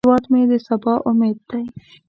هیواد مې د سبا امید دی